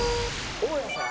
大家さん。